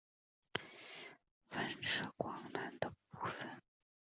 反射光栅的部分。